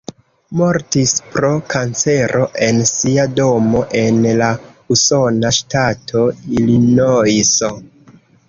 Mortis pro kancero en sia domo en la usona ŝtato Ilinojso.